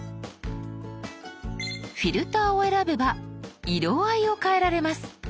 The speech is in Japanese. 「フィルター」を選べば色合いを変えられます。